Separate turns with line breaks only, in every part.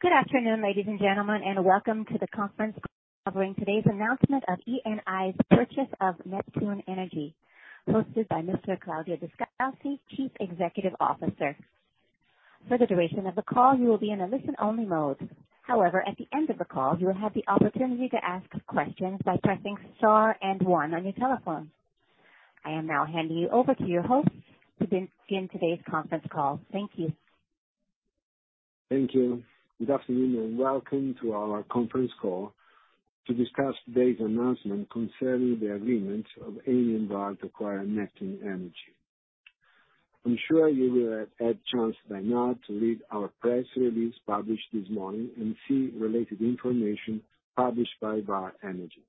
Good afternoon, ladies and gentlemen, welcome to the conference call covering today's announcement of Eni's purchase of Neptune Energy, hosted by Mr. Claudio Descalzi, Chief Executive Officer. For the duration of the call, you will be in a listen-only mode. However, at the end of the call, you will have the opportunity to ask questions by pressing star and one on your telephone. I am now handing you over to your host to begin today's conference call. Thank you.
Thank you. Good afternoon, and welcome to our conference call to discuss today's announcement concerning the agreement of Eni and Vår to acquire Neptune Energy. I'm sure you will have had a chance by now to read our press release published this morning and see related information published by Vår Energi.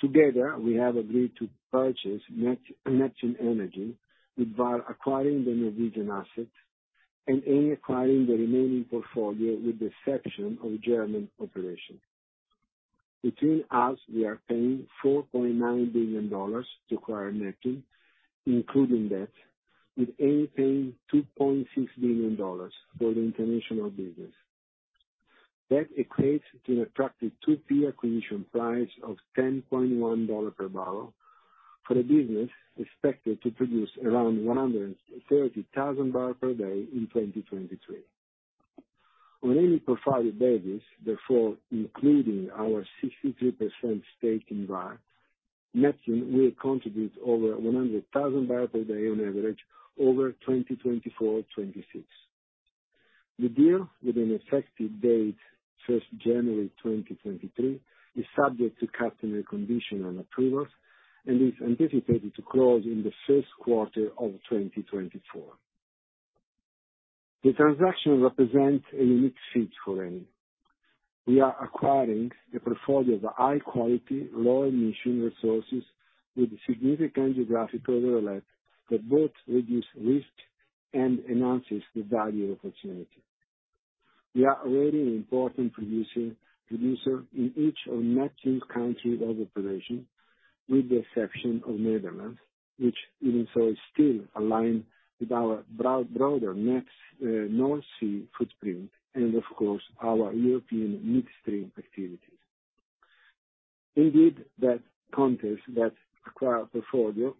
Together, we have agreed to purchase Neptune Energy, with Vår acquiring the Norwegian assets and Eni acquiring the remaining portfolio, with the exception of German operation. Between us, we are paying $4.9 billion to acquire Neptune, including debt, with Eni paying $2.6 billion for the international business. That equates to an attractive two-tier acquisition price of $10.1 per barrel for a business expected to produce around 130,000 barrels per day in 2023. On any profiled basis, therefore, including our 62% stake in Vår, Neptune will contribute over 100,000 barrels per day on average over 2024, 2026. The deal, with an effective date, first January 2023, is subject to customary conditions and approvals and is anticipated to close in the first quarter of 2024. The transaction represents a unique feat for Eni. We are acquiring a portfolio of high quality, low emission resources with significant geographical overlap that both reduce risk and enhances the value opportunity. We are already an important producer in each of Neptune's countries of operation, with the exception of Netherlands, which even so, still align with our broad, broader Med, North Sea footprint and, of course, our European midstream activities. That context, that acquire portfolio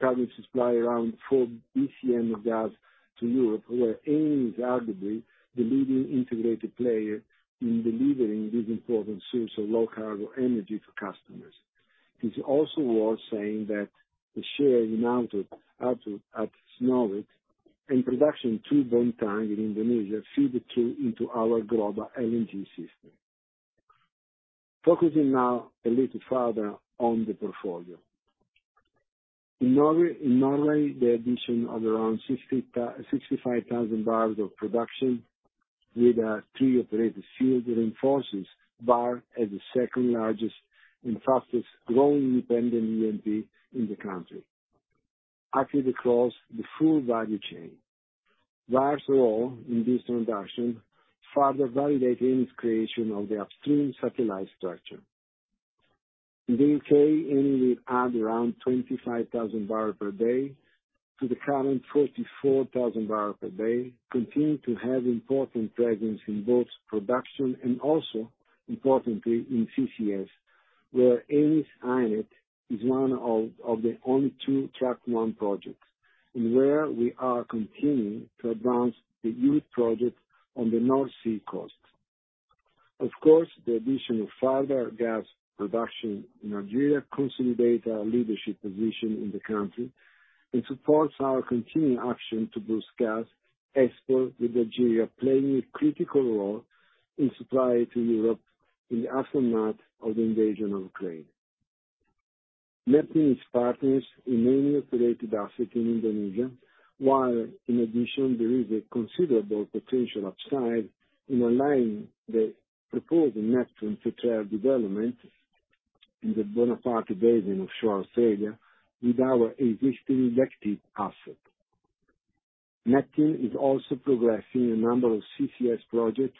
currently supply around 4 BCM of gas to Europe, where Eni is arguably the leading integrated player in delivering this important source of low-carbon energy to customers. The share in Albatross at Snøhvit, and production to Bontang in Indonesia, feed the key into our global LNG system. Focusing now a little further on the portfolio. In Norway, the addition of around 65,000 barrels of production with a 3 operating field reinforces Vår as the second largest and fastest growing independent E&P in the country, actually across the full value chain. Vår's role in this transaction further validates Eni's creation of the upstream satellite structure. In the U.K., Eni will add around 25,000 barrels per day to the current 44,000 barrels per day, continuing to have important presence in both production and also importantly, in CCS, where Eni's HyNet is one of the only two Track One projects, and where we are continuing to advance the huge project on the North Sea coast. The addition of further gas production in Algeria consolidates our leadership position in the country and supports our continuing action to boost gas export, with Algeria playing a critical role in supply to Europe in the aftermath of the invasion of Ukraine. Neptune's partners in Eni-related assets in Indonesia, while in addition, there is a considerable potential upside in aligning the proposed Neptune future development in the Bonaparte Basin offshore Australia with our existing active asset. Neptune is also progressing a number of CCS projects,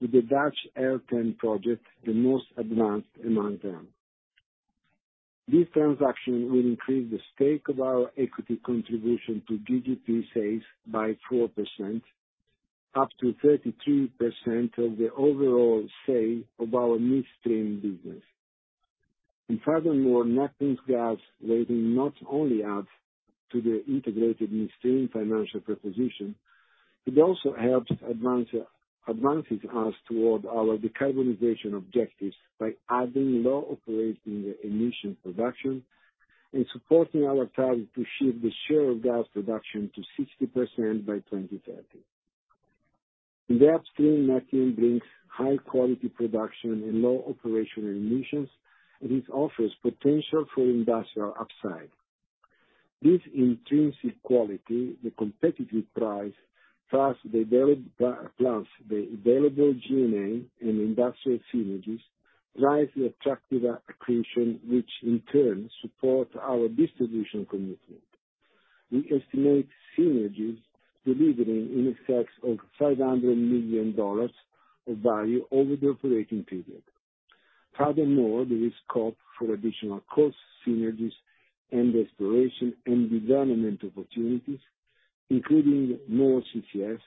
with the Dutch L10-CCS project the most advanced among them. This transaction will increase the stake of our equity contribution to GGP by 4%, up to 32% of the overall say of our midstream business. Furthermore, Neptune's gas will not only add to the integrated midstream financial proposition, it also helps advances us toward our decarbonization objectives by adding low operating emission production and supporting our target to shift the share of gas production to 60% by 2030. In the upstream, Neptune brings high quality production and low operational emissions, and it offers potential for industrial upside. This intrinsic quality, the competitive price, plus the available GNA and industrial synergies, drives the attractive acquisition, which in turn supports our distribution commitment. We estimate synergies delivering in excess of $500 million of value over the operating period. Furthermore, there is scope for additional cost synergies and restoration and redevelopment opportunities, including more CCS,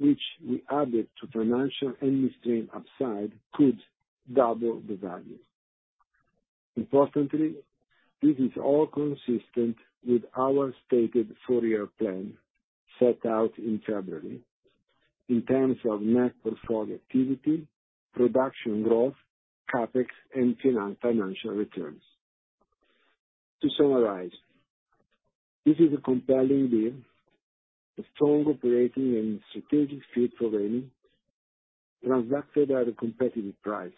which we added to financial and upstream upside, could double the value. Importantly, this is all consistent with our stated four-year plan set out in February, in terms of net portfolio activity, production growth, CapEx, and financial returns. To summarize, this is a compelling deal, a strong operating and strategic fit for Eni, transacted at a competitive price.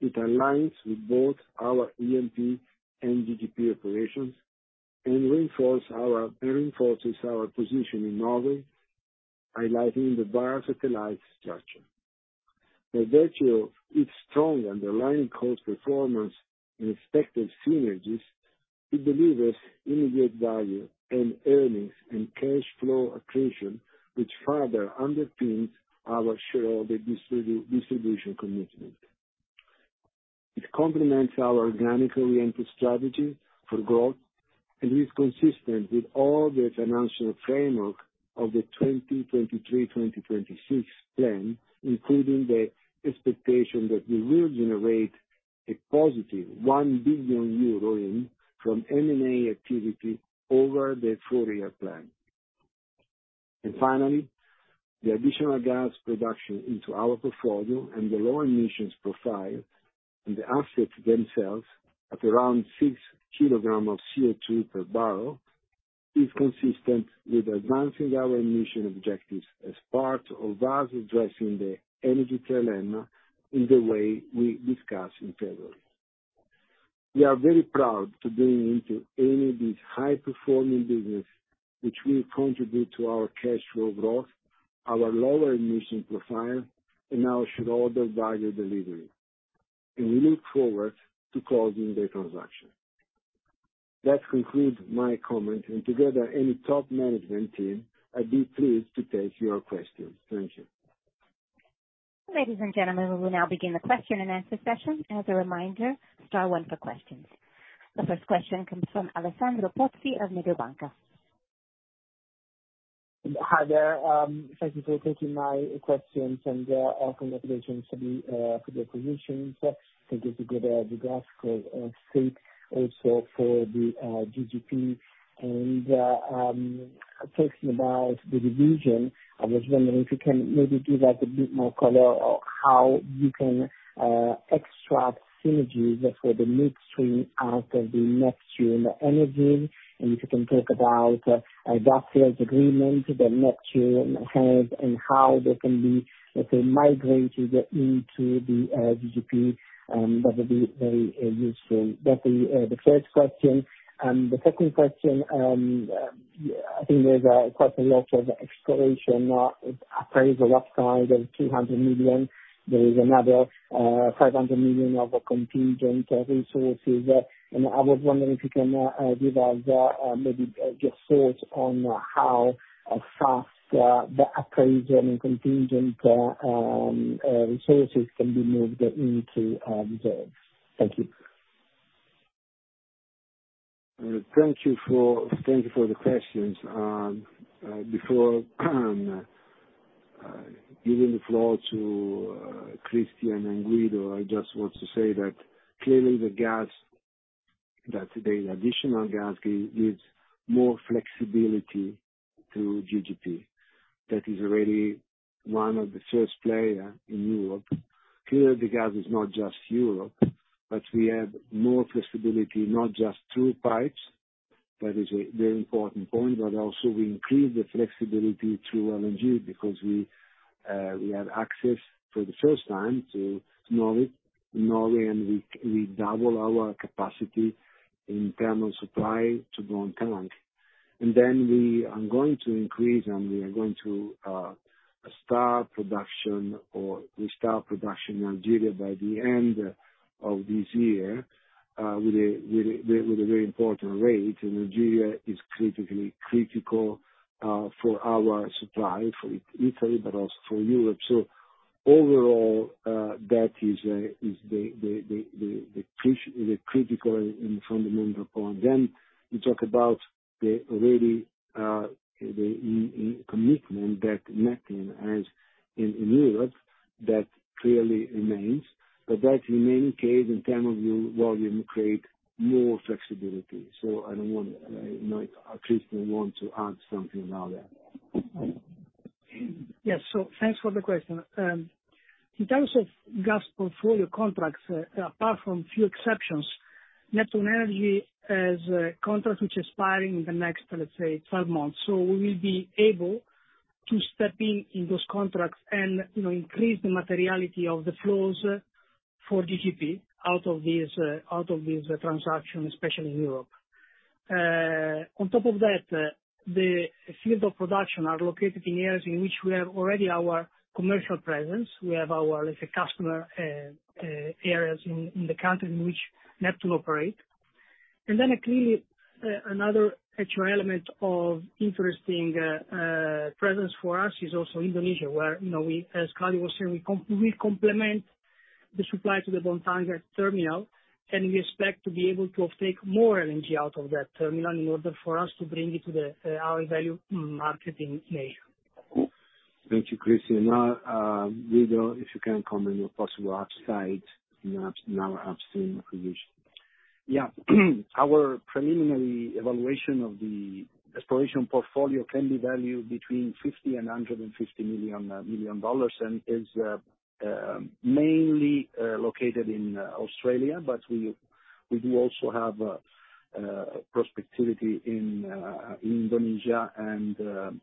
It aligns with both our E&P and GGP operations, reinforces our position in Norway, highlighting the biorationalized structure. By virtue of its strong underlying cost performance and expected synergies, it delivers immediate value and earnings and cash flow accretion, which further underpins our shareholder distribution commitment. It complements our organic oriented strategy for growth, is consistent with all the financial framework of the 2023, 2026 plan, including the expectation that we will generate a positive 1 billion euro in, from M&A activity over the 4-year plan. Finally, the additional gas production into our portfolio and the lower emissions profile and the assets themselves, at around 6 kilograms of CO2 per barrel, is consistent with advancing our emission objectives as part of us addressing the energy dilemma in the way we discussed in February. We are very proud to bring into Eni, this high-performing business, which will contribute to our cash flow growth, our lower emission profile, and our shareholder value delivery, and we look forward to closing the transaction. That concludes my comments, together, Eni top management team, I'd be pleased to take your questions. Thank you.
Ladies and gentlemen, we will now begin the question and answer session. As a reminder, star one for questions. The first question comes from Alessandro Pozzi of Mediobanca.
Hi there, thank you for taking my questions and our congratulations to the for the acquisitions, thank you to give the graphical sake also for the GGP. Talking about the division, I was wondering if you can maybe give us a bit more color on how you can extract synergies for the midstream out of the Neptune Energy. If you can talk about gas agreement that Neptune has, and how they can be, let's say, migrated into the GGP, that would be very useful. That's the first question. The second question, I think there's quite a lot of exploration, appraisal upside of 200 million. There is another 500 million of contingent resources. I was wondering if you can give us maybe just thoughts on how fast the appraisal and contingent resources can be moved into the. Thank you.
Thank you for the questions. Before giving the floor to Christian and Guido, I just want to say that clearly, the additional gas gives more flexibility to GGP. That is already one of the first player in Europe. Clearly, the gas is not just Europe, but we have more flexibility, not just through pipes, that is a very important point, but also we increase the flexibility through LNG because we have access for the first time to Norway, and we double our capacity in terms of supply to Bontang, Indonesia. We are going to increase, and we are going to start production or restart production in Algeria by the end of this year, with a very important rate, and Algeria is critically critical for our supply, for Italy, but also for Europe. Overall, that is the critical and fundamental point. You talk about the already the commitment that Neptune Energy has in Europe, that clearly remains, but that remaining case in term of volume, create more flexibility. You know, if Christian want to add something about that.
Yes. Thanks for the question. In terms of gas portfolio contracts, apart from few exceptions, Neptune Energy has a contract which is expiring in the next, let's say, 12 months. We will be able to step in those contracts and, you know, increase the materiality of the flows for GCP out of this, out of this transaction, especially in Europe. On top of that, the field of production are located in areas in which we have already our commercial presence. We have our, let's say, customer areas in the country in which Neptune operate. Clearly, another actual element of interesting presence for us is also Indonesia, where, you know, we, as Carlo was saying, we complement the supply to the Bontang terminal, and we expect to be able to offtake more LNG out of that terminal, in order for us to bring it to the our value marketing area.
Thank you, Cristian. Now, Guido, if you can comment on your possible upside in your now upstream acquisition.
Yeah. Our preliminary evaluation of the exploration portfolio can be valued between $50 million and $150 million, and is mainly located in Australia. We do also have prospectivity in Indonesia and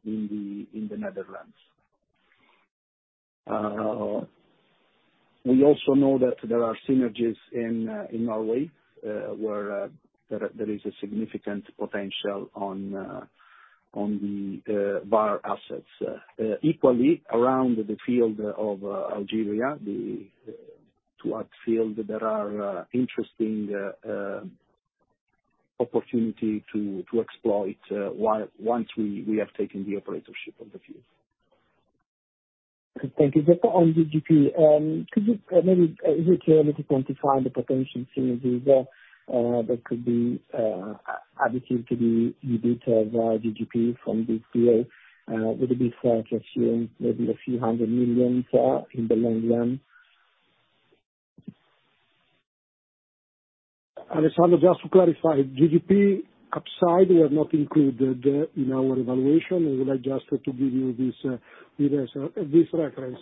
in the Netherlands. We also know that there are synergies in Norway, where there is a significant potential on the Vår assets. Equally, around the field of Algeria, the two field, there are interesting opportunity to exploit once we have taken the operatorship of the field.
Thank you. On the GGP, could you maybe, is it fair to quantify the potential synergies that could be additive to the detail of our GGP from the PA? Would it be fair to assume maybe a few hundred million EUR for, in the long run?
Alessandro, just to clarify, GGP upside were not included in our evaluation. I would like just to give you this reference.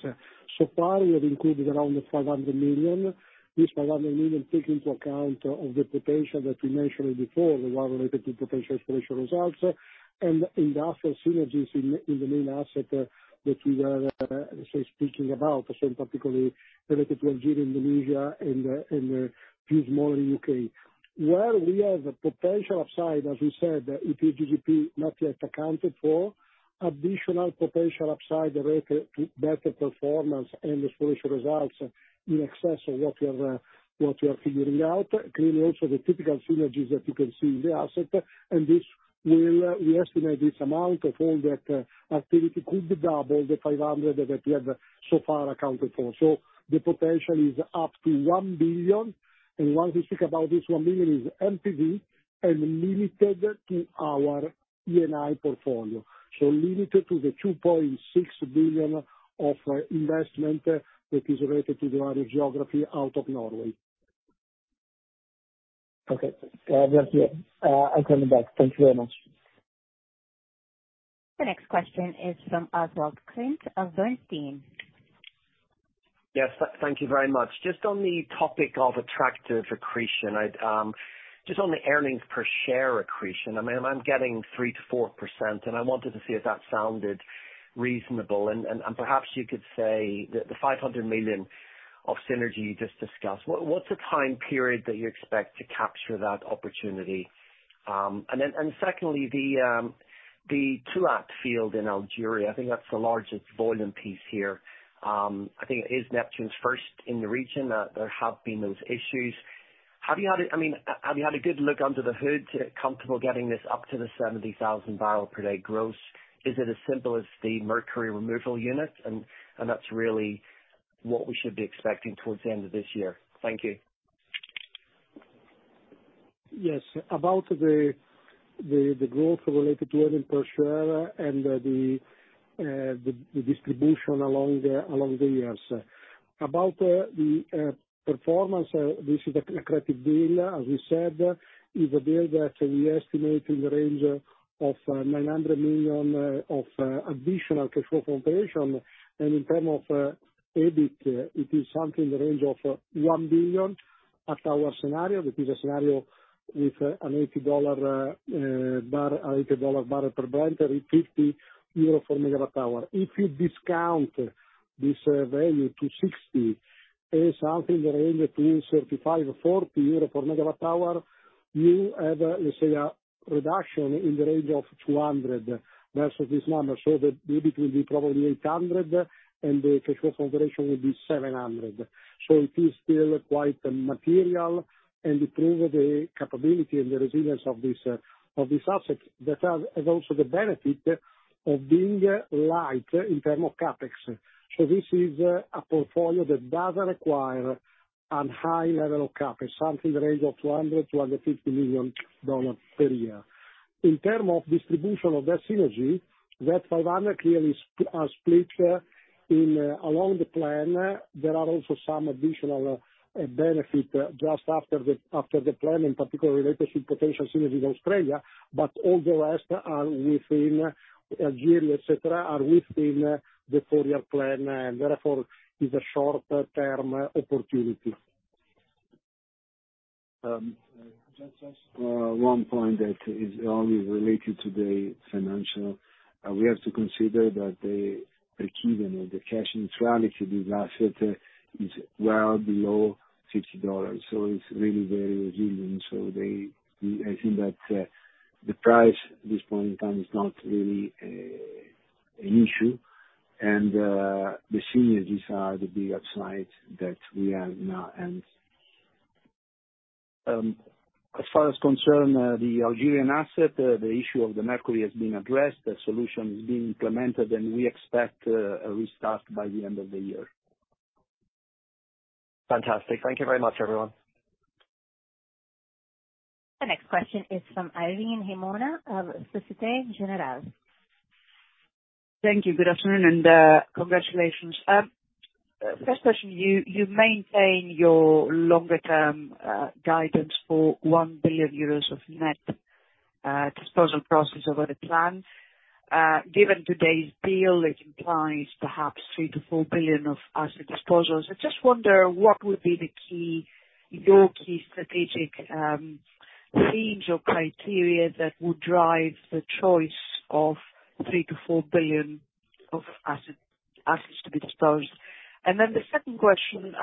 So far, we have included around 500 million. This 500 million take into account of the potential that we mentioned before, the one related to potential exploration results, and industrial synergies in the main asset that we are speaking about. In particular, related to Algeria, Indonesia, and the few more in UK. Where we have a potential upside, as we said, it is GGP not yet accounted for. Additional potential upside related to better performance and exploration results in excess of what we are figuring out. Clearly, also, the typical synergies that you can see in the asset, and this will, we estimate this amount of all that, activity could double the $500 million that we have so far accounted for. The potential is up to $1 billion, and once you think about this, $1 billion is MPV and limited to our Eni portfolio. Limited to the $2.6 billion of investment that is related to the other geography out of Norway.
Okay. We're here. I come back. Thank you very much.
The next question is from Oswald Clint of Bernstein.
Yes, thank you very much. Just on the topic of attractive accretion, I'd just on the earnings per share accretion, I mean, I'm getting 3%-4%, and I wanted to see if that sounded reasonable. Perhaps you could say that the $500 million of synergy you just discussed, what's the time period that you expect to capture that opportunity? Then, secondly, the Touat field in Algeria, I think that's the largest volume piece here. I think it is Neptune's first in the region, there have been those issues. I mean, have you had a good look under the hood to comfortable getting this up to the 70,000 barrel per day gross? Is it as simple as the mercury removal unit, and that's really what we should be expecting towards the end of this year? Thank you.
Yes. About the growth related to earning per share and the distribution along the years. About the performance, this is an accretive deal. As we said, is a deal that we estimate in the range of 900 million of additional cash flow from operation. And in term of EBIT, it is something in the range of 1 billion at our scenario, which is a scenario with an $80 barrel per Brent, and 50 euro per MW hour. If you discount this value to 60 per MW hour, you have, let's say, a reduction in the range of 200 versus this number. The EBIT will be probably $800, and the cash flow operation will be $700. It is still quite material, and it proves the capability and the resilience of this, of this asset, that has also the benefit of being light in term of CapEx. This is a portfolio that doesn't require a high level of CapEx, something in the range of $200 million-$250 million per year. In term of distribution of that synergy, that $500 clearly is split in along the plan. There are also some additional benefit just after the, after the plan, in particular related to potential synergies in Australia, but all the rest are within Algeria, et cetera, are within the four-year plan, therefore, is a short-term opportunity.
Um, uh,
Just 1 point that is only related to the financial. We have to consider that the key or the cash neutrality to this asset is well below $60, so it's really very resilient. We, I think that the price at this point in time is not really.... an issue, and the synergies are the big upside that we are now in. As far as concern, the Algerian asset, the issue of the mercury has been addressed. The solution is being implemented, and we expect a restart by the end of the year.
Fantastic. Thank you very much, everyone.
The next question is from Irene Himona of Societe Generale.
Thank you. Good afternoon, and congratulations. First question, you maintain your longer term guidance for 1 billion euros of net disposal process over the plan. Given today's deal, it implies perhaps 3 billion-4 billion of asset disposals. I just wonder, what would be the key, your key strategic themes or criteria that would drive the choice of 3 billion-4 billion of assets to be disposed? The second question,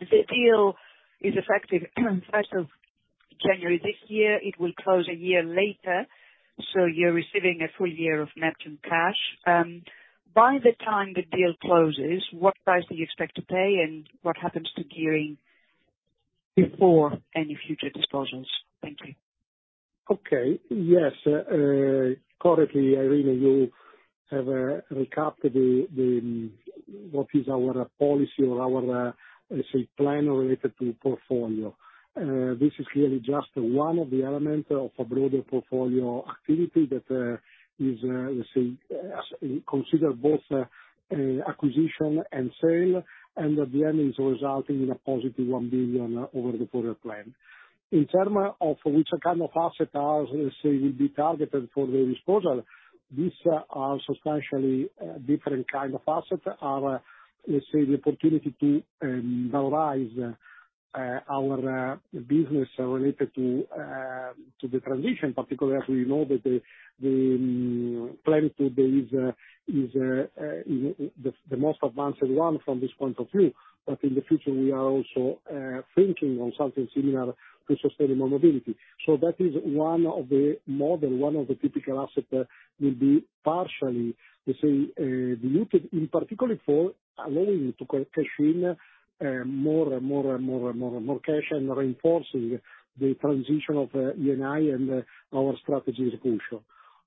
the deal is effective 1st of January this year. It will close a year later, so you're receiving a full year of Neptune cash. By the time the deal closes, what price do you expect to pay, and what happens to gearing before any future disposals? Thank you.
Okay. Yes, correctly, Irene, you have recapped what is our policy or our, let's say, plan related to portfolio. This is really just one of the elements of a broader portfolio activity that is, let's say, considered both acquisition and sale, and at the end is resulting in a positive 1 billion over the quarter plan. In terms of which kind of asset will be targeted for the disposal, these are substantially a different kind of asset, the opportunity to valorize our business related to the transition, particularly as we know that Plenitude there is the most advanced one from this point of view. In the future, we are also thinking on something similar to sustainable mobility. That is one of the model, one of the typical asset that will be partially, let's say, diluted, in particular for allowing to cash in more and more cash and reinforcing the transition of Eni and our strategy as a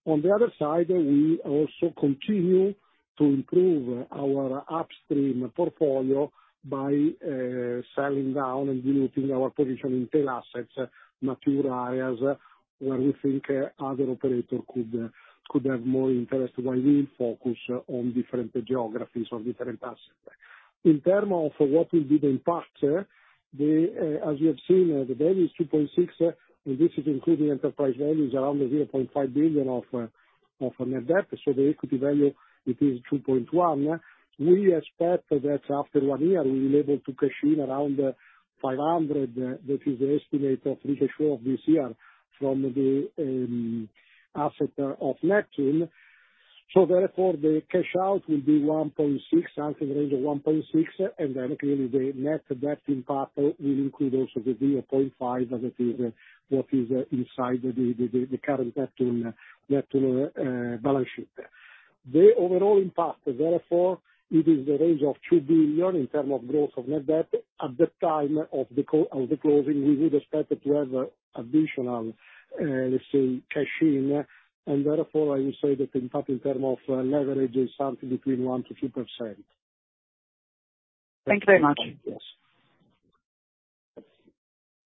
whole. The other side, we also continue to improve our upstream portfolio by selling down and diluting our position in tail assets, mature areas, where we think other operator could have more interest, while we focus on different geographies or different assets. In terms of what will be the impact, the, as you have seen, the value is 2.6, and this is including enterprise value, is around 0.5 billion of net debt, so the equity value, it is 2.1. We expect that after one year, we will be able to cash in around 500 million, which is the estimate of free cash flow of this year, from the asset of Neptune. Therefore, the cash out will be 1.6 billion, something in the range of 1.6 billion, and then clearly the net debt impact will include also 0.5 billion, that is what is inside the current Neptune balance sheet. The overall impact, therefore, it is the range of 2 billion in terms of growth of net debt. At the time of the closing, we would expect to have additional, let's say, cash in. Therefore, I will say that the impact in terms of leverage is something between 1%-2%.
Thank you very much.
Yes.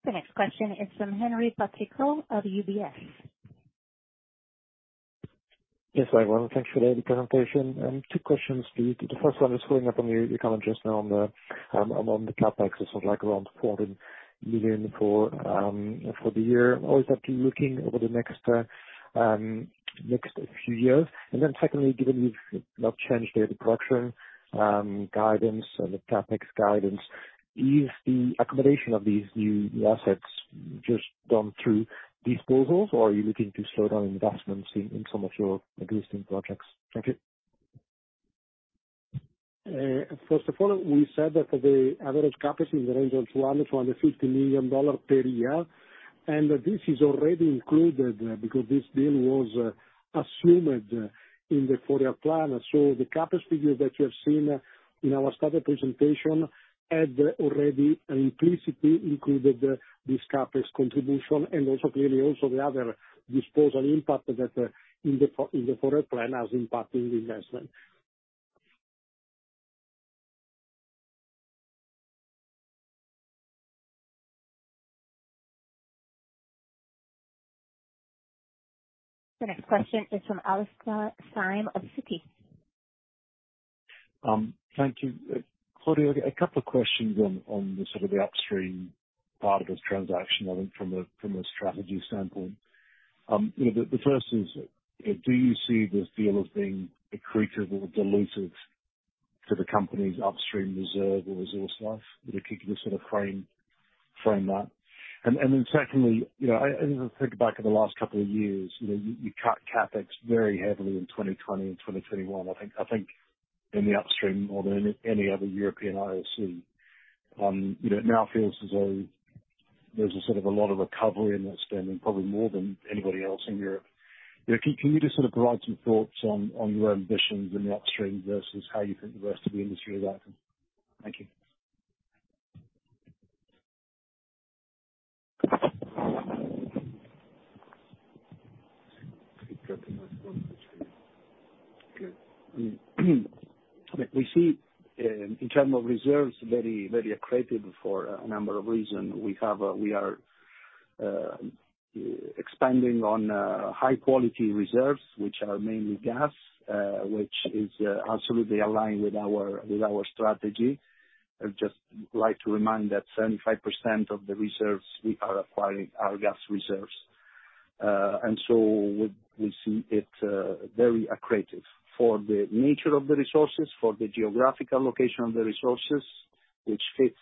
The next question is from Henri Patricot of UBS.
Yes, hi, everyone. Thanks for the presentation. Two questions for you. The first one is following up on your comment just now on the, among the in the CapEx is of, like, around 400 million for the year. Obviously, looking over the next few years. Secondly, given you've not changed the production, guidance and the CapEx guidance, is the accommodation of these new assets just gone through disposals, or are you looking to slow down investments in some of your existing projects? Thank you.
First of all, we said that the average CapEx is in the range of $200 million-$250 million per year. This is already included because this deal was assumed in the quarter plan. The CapEx figures that you have seen in our started presentation had already implicitly included this CapEx contribution. Also clearly also the other disposal impact that in the forward plan, as impact in the investment.
The next question is from Alastair Syme, of Citi.
Thank you. Claudio, a couple of questions on the sort of the upstream part of this transaction, I think from a, from a strategy standpoint. You know, the first is, do you see this deal as being accretive or dilutive to the company's upstream reserve or resource life? If you could just sort of frame that. Secondly, you know, as I think back over the last couple of years, you know, you cut CapEx very heavily in 2020 and 2021, I think in the upstream, more than any other European IOC. You know, there's a sort of a lot of recovery in that spending, probably more than anybody else in Europe. You know, can you just sort of provide some thoughts on your ambitions in the upstream versus how you think the rest of the industry is acting? Thank you.
We see in terms of reserves, very, very accretive for a number of reason. We are expanding on high quality reserves, which are mainly gas, which is absolutely aligned with our, with our strategy. I'd just like to remind that 75% of the reserves we are acquiring are gas reserves. We, we see it very accretive for the nature of the resources, for the geographical location of the resources, which fits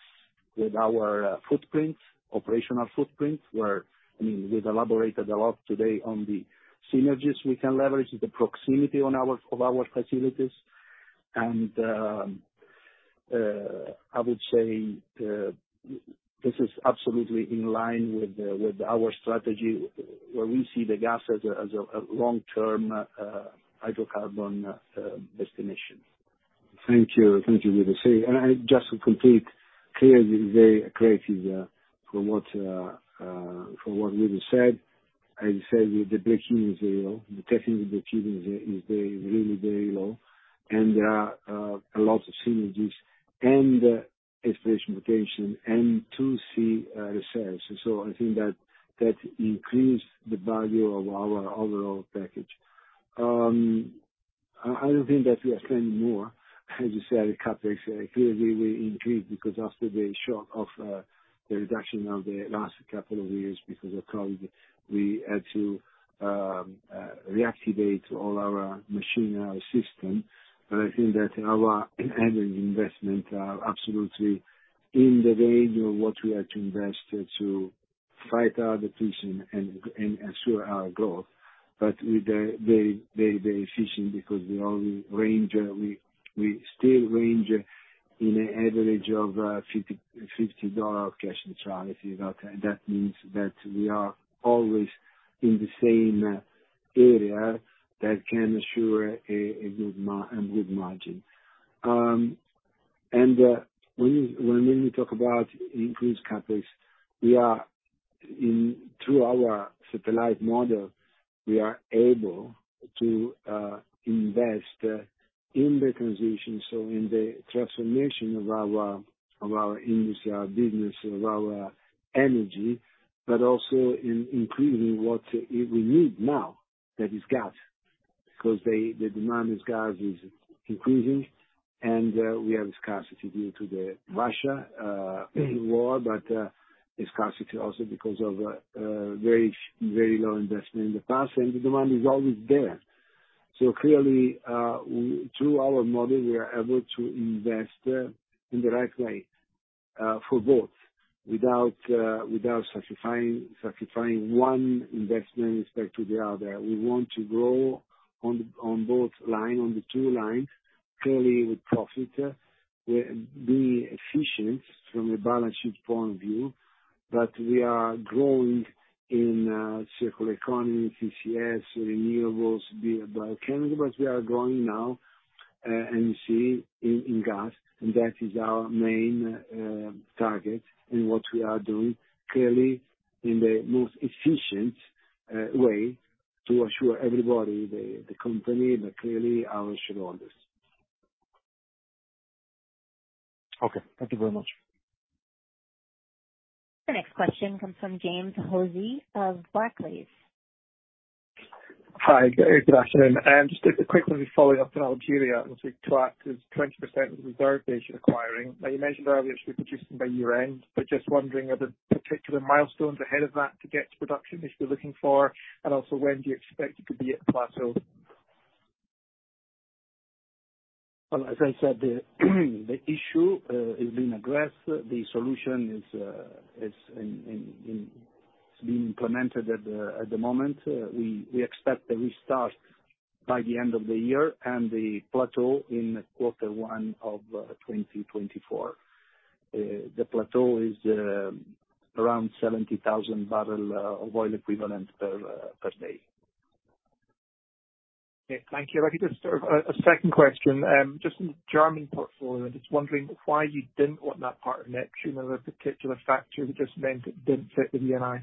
with our footprint, operational footprint, where, I mean, we've elaborated a lot today on the synergies we can leverage, the proximity on our, of our facilities. I would say, this is absolutely in line with our strategy, where we see the gas as a, as a long-term hydrocarbon, destination.
Thank you. Thank you, Luigi. Just to complete, clearly, very accretive, from what Luigi said. I said, the breaking is low, the technical breaking is really very low. A lot of synergies and exploration location, and to see the sales. I think that increases the value of our overall package. I don't think that we are spending more. As you said, CapEx, I feel really increased, because after the shock of the reduction of the last couple of years, because of COVID, we had to reactivate all our machinery system. I think that our annual investment are absolutely in the range of what we had to invest to fight our position and ensure our growth. With the very, very efficient, because we only range, we still range in an average of $50 cash neutrality. That means that we are always in the same area that can ensure a good margin. When we talk about increased CapEx, we are in, through our satellite model, we are able to invest in the transition, so in the transformation of our industry, our business, of our energy, but also in increasing what we need now, that is gas. The demand is gas is increasing, we have scarcity due to the Russia war, scarcity also because of very, very low investment in the past, and the demand is always there. clearly, through our model, we are able to invest in the right way for both, without sacrificing one investment respect to the other. We want to grow on both line, on the two lines, clearly with profit, with being efficient from a balance sheet point of view. We are growing in circular economy, CCS, renewables, biochemistry, but we are growing now, and you see, in gas, and that is our main target in what we are doing, clearly in the most efficient way to assure everybody, the company, but clearly our shareholders.
Okay. Thank you very much.
The next question comes from James Hosie of Barclays.
Hi, good afternoon. Just a quick one just following up on Algeria, with respect to active 20% reserve base you're acquiring. You mentioned earlier it should be producing by year-end, but just wondering are there particular milestones ahead of that to get to production which we're looking for, and also, when do you expect it to be at plateau?
Well, as I said, the issue is being addressed. The solution is being implemented at the moment. We expect a restart by the end of the year and the plateau in quarter one of 2024. The plateau is around 70,000 barrel of oil equivalent per day.
Okay. Thank you. If I could just, a second question. Just in German portfolio, just wondering why you didn't want that part of Neptune, a particular factor that just meant it didn't fit with Eni?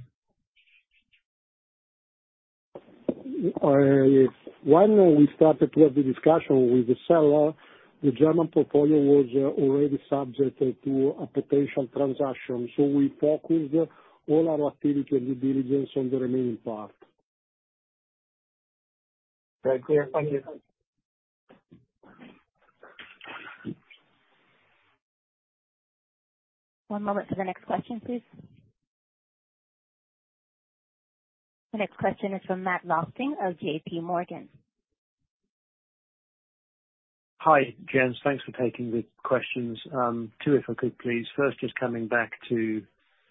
When we started to have the discussion with the seller, the German portfolio was already subject to a potential transaction. We focused all our activity and due diligence on the remaining part.
Right. Clear. Thank you.
One moment for the next question, please. The next question is from Matt Lofting of JPMorgan.
Hi, gents. Thanks for taking the questions. Two, if I could please. First, just coming back to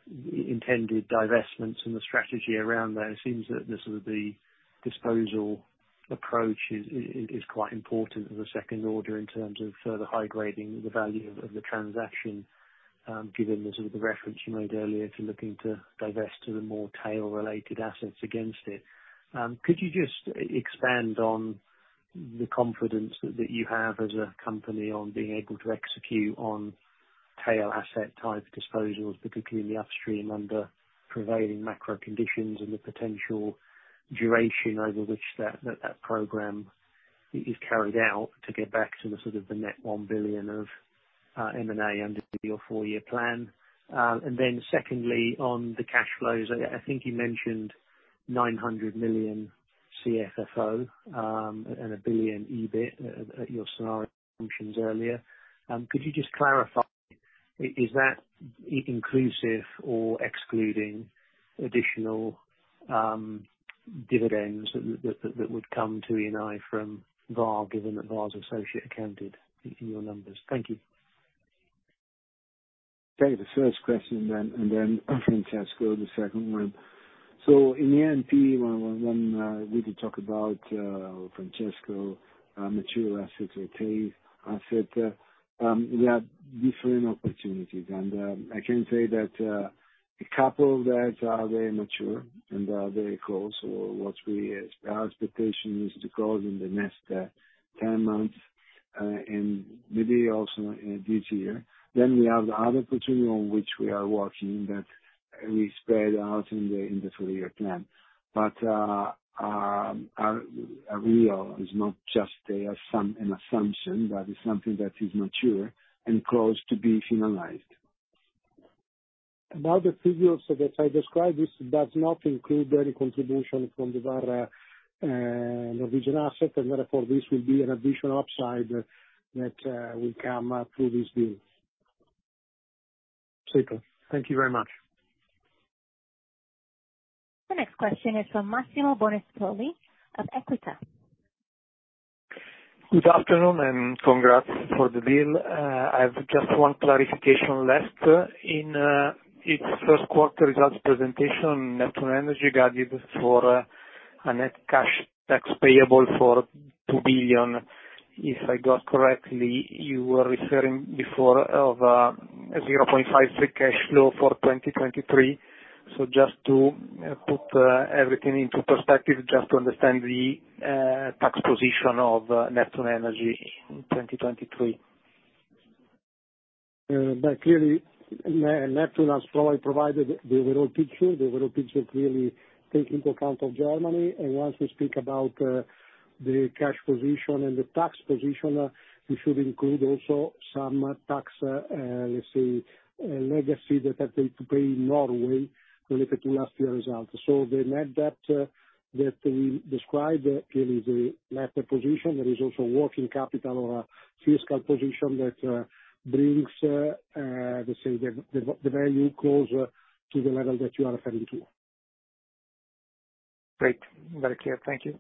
the intended divestments and the strategy around that, it seems that this is the disposal approach is quite important as a second order in terms of further high grading the value of the transaction, given the sort of the reference you made earlier to looking to divest to the more tail related assets against it. Could you just expand on the confidence that you have as a company on being able to execute on tail asset type disposals, particularly in the upstream, under prevailing macro conditions, and the potential duration over which that program is carried out, to get back to the sort of the net $1 billion of M&A under your 4-year plan? Secondly, on the cash flows, I think you mentioned 900 million CFFO and 1 billion EBIT at your scenario functions earlier. Could you just clarify, is that inclusive or excluding additional dividends that would come to Eni from Var, given that Var's associate accounted in your numbers? Thank you.
The first question then, and then Francesco, the second one. In the NP, when we did talk about Francesco, material assets or tail asset, we have different opportunities. I can say that a couple that are very mature and are very close, or Our expectation is to close in the next 10 months, and maybe also in this year. We have the other opportunity on which we are working, that we spread out in the, in the four-year plan. Are real, it's not just an assumption, that is something that is mature and close to being finalized.
About the figures that I described, this does not include any contribution from the Vår Norwegian asset, and therefore, this will be an additional upside that will come through this deal.
Super. Thank you very much.
The next question is from Massimo Bonisoli of Equita.
Good afternoon, congrats for the deal. I've just one clarification left. In its first quarter results presentation, Neptune Energy guided for a net cash tax payable for $2 billion. If I got correctly, you were referring before of a $0.5 free cash flow for 2023. Just to put everything into perspective, just to understand the tax position of Neptune Energy in 2023.
Clearly, Neptune has probably provided the overall picture. The overall picture clearly take into account of Germany, and once we speak about the cash position and the tax position, we should include also some tax, let's say, legacy that have to pay in Norway related to last year's results. The net debt that we described clearly is a better position. There is also working capital or a fiscal position that brings, let's say, the value closer to the level that you are referring to.
Great. Very clear. Thank you.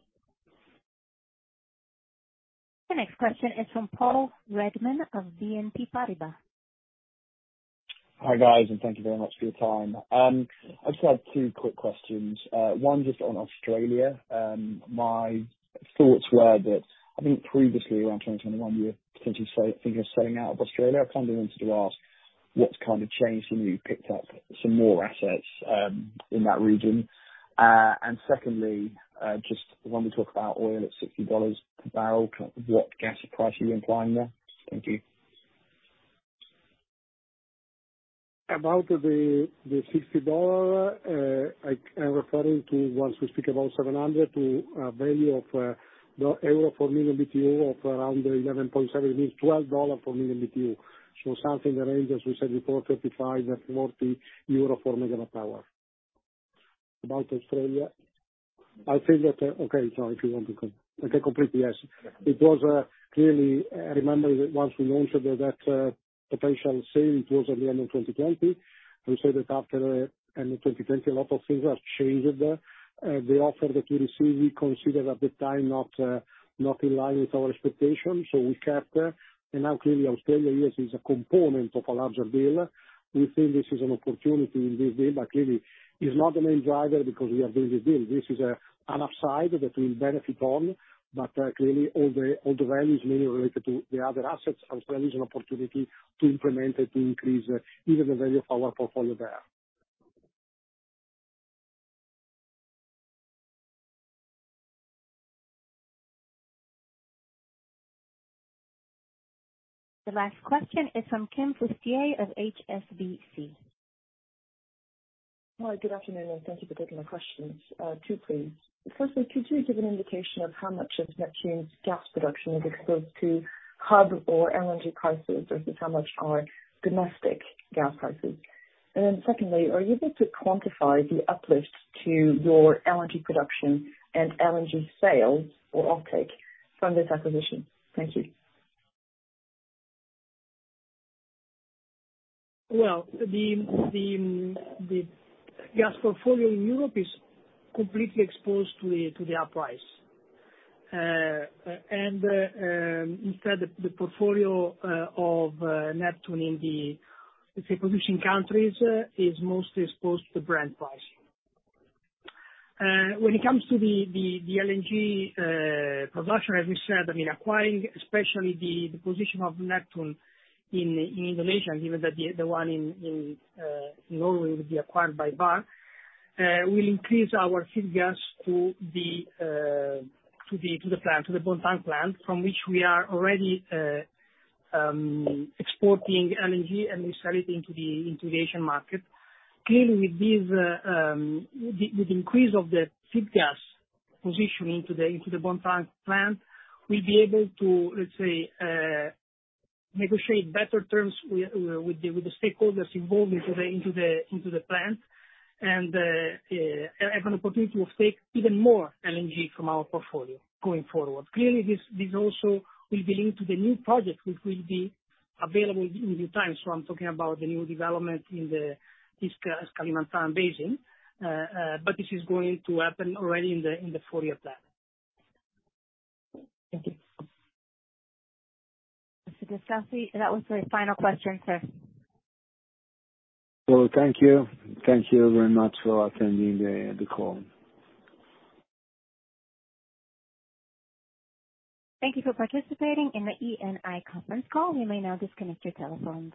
The next question is from Paul Redman of BNP Paribas.
Hi, guys. Thank you very much for your time. I just had 2 quick questions. One just on Australia. My thoughts were that, I think previously, around 2021, you were potentially selling, thinking of selling out of Australia. I kind of wanted to ask, what's kind of changed, and you've picked up some more assets in that region? Secondly, just when we talk about oil at $60 a barrel, what gas price are you implying there? Thank you.
About the $60, I'm referring to once we speak about 700 to a value of EUR for million BTU of around 11.7, means $12 per million BTU. Something that ranges, we said before, 35-40 euro for MW power. About Australia, I think that. If you want to completely, yes. It was clearly, remember that once we mentioned that potential sale, it was at the end of 2020. We said that after end of 2020, a lot of things have changed. The offer that we received, we considered at the time, not not in line with our expectations, so we kept. Now clearly Australia, yes, is a component of a larger deal. We think this is an opportunity in this deal, but clearly is not the main driver because we are doing the deal. This is an upside that we'll benefit on, but clearly all the values mainly related to the other assets, Australia is an opportunity to implement it, to increase even the value of our portfolio there.
The last question is from Kim Fustier of HSBC.
Hi, good afternoon, and thank you for taking my questions. Two please. Firstly, could you give an indication of how much of Neptune's gas production is exposed to hub or LNG prices, versus how much are domestic gas prices? Secondly, are you able to quantify the uplift to your LNG production and LNG sales or offtake from this acquisition? Thank you.
Well, the gas portfolio in Europe is completely exposed to the hub price. Instead, the portfolio of Neptune in the, let's say, producing countries, is mostly exposed to the Brent price. When it comes to the LNG production, as we said, I mean, acquiring, especially the position of Neptune in Indonesia, given that the one in Norway, will be acquired by Bar, will increase our feed gas to the plant, to the Bontang plant, from which we are already exporting LNG and we sell it into the Indonesian market. With this, with increase of the feed gas positioning to the, into the Bontang plant, we'll be able to, let's say, negotiate better terms with the stakeholders involved into the plant, and have an opportunity to take even more LNG from our portfolio going forward. This also will be linked to the new project, which will be available in due time. I'm talking about the new development in the East Kalimantan basin. This is going to happen already in the four-year plan.
Thank you.
Mr. Gattei, that was the final question, sir.
Thank you. Thank you very much for attending the call.
Thank you for participating in the Eni conference call. You may now disconnect your telephones.